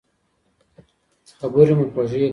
خبرې مو خوږې کړئ.